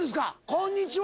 「こんにちは」。